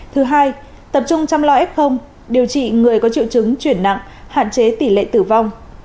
thứ hai tập trung chăm lo f điều trị người có triệu chứng chuyển nặng hạn chế tỷ lệ tử vong